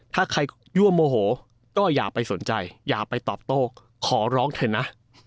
ถ้าใครยั่วโมโหก็อย่าไปสนใจอย่าไปตอบโต้ขอร้องเถอะนะ